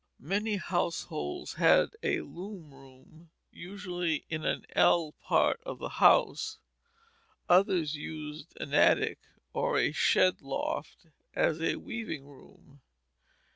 Many households had a loom room, usually in an ell part of the house; others used an attic or a shed loft as a weaving room.